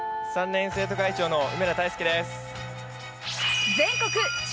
３年、生徒会長の梅田泰佑です。